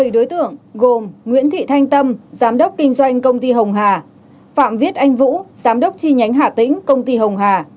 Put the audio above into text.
bảy đối tượng gồm nguyễn thị thanh tâm giám đốc kinh doanh công ty hồng hà phạm viết anh vũ giám đốc chi nhánh hà tĩnh công ty hồng hà